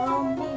hah bodoh aja